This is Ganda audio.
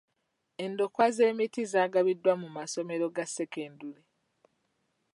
Endokwa z'emiti zaagabiddwa mu masomero ga sekendule.